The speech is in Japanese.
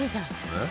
えっ？